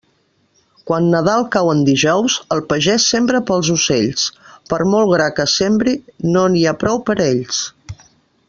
Quan Nadal cau en dijous, el pagés sembra pels ocells; per molt gra que sembre no n'hi ha prou per a ells.